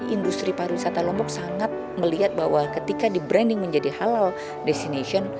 industri pariwisata lombok sangat melihat bahwa ketika di branding menjadi halal destination